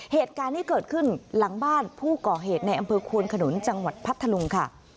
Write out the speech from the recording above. เหตุการณ์ที่เกิดขึ้นหลังบ้านผู้ก่อเหตุในอำเภอควนขนุนจังหวัดพัทธลุงค่ะ